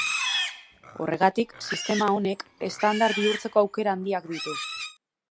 Horregatik, sistema honek estandar bihurtzeko aukera handiak ditu.